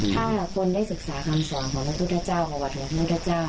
ถ้าคนได้ศึกษาคำสอนของพระพุทธเจ้าของวัดพระพุทธเจ้า